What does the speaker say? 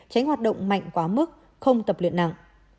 tránh hoạt động mạnh quá mức không tập luyện nặng